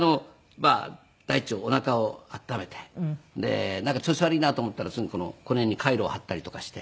大腸おなかを温めてなんか調子悪いなと思ったらすぐこの辺にカイロを貼ったりとかして。